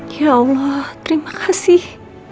ya allah terima kasih